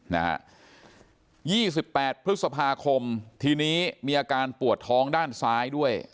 นะฮะยี่สิบแปดพฤษภาคมทีนี้มีอาการปวดท้องด้านซ้ายด้วย